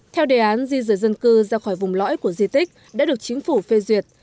theo đề án di rời dân cư ra khỏi vùng lõi của di tích đã được chính phủ phê duyệt